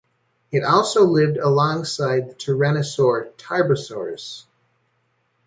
It also lived alongside the tyrannosaur "Tarbosaurus".